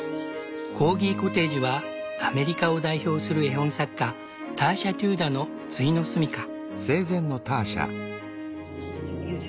コーギコテージはアメリカを代表する絵本作家ターシャ・テューダーのついの住みか。